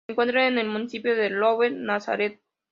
Se encuentra en el Municipio de Lower Nazareth.